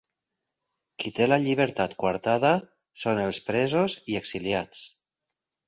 Qui té la llibertat coartada són els presos i exiliats.